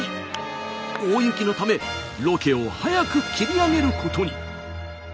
大雪のためロケを早く切り上げることに。